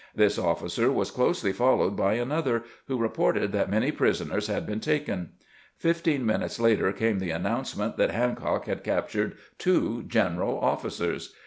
This officer was closely followed by another, who reported that many prisoners had been taken. Fifteen minutes later came the announcement that Hancock had captured two general officers.